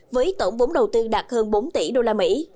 với tổng vốn đầu tư đạt hơn bốn tỷ usd